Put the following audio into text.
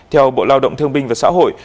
theo bộ lao động thương binh và xã hội